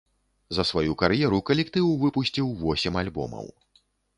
За сваю кар'еру калектыў выпусціў восем альбомаў.